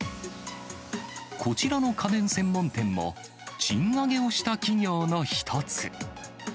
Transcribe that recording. こちらの家電専門店も、賃上げをした企業の一つ。